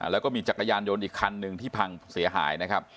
แล้วก็มีจักรยานยนต์อีกคันหนึ่งที่พังเสียหายนะครับ